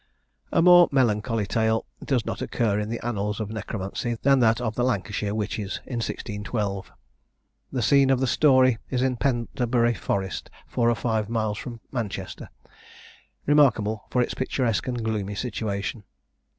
A more melancholy tale does not occur in the annals of necromancy, than that of the Lancashire Witches, in 1612. The scene of the story is in Penderbury Forest, four or five miles from Manchester, remarkable for its picturesque and gloomy situation.